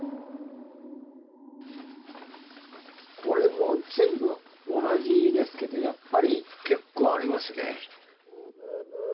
これも全部同じですけどやっぱり結構ありますね。